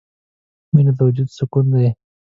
• مینه د وجود سکون دی.